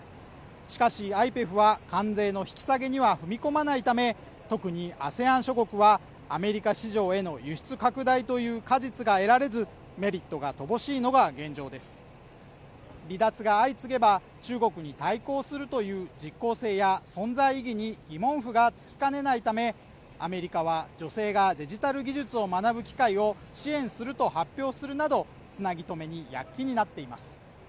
しかしＩＰＥＦは関税の引き下げには踏み込まないため特にＡＳＥＡＮ諸国はアメリカ市場への輸出拡大という果実が得られずメリットが乏しいのが現状です離脱が相次げば中国に対抗するという実効性や存在意義に疑問符がつきかねないためアメリカは女性がデジタル技術を学ぶ機会を支援すると発表するなどつなぎ止めに躍起になっています